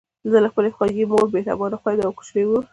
زه له خپلې خوږې مور، مهربانو خویندو، کوچني ورور،